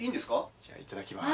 じゃあいただきます。